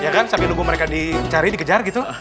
ya kan sambil nunggu mereka dicari dikejar gitu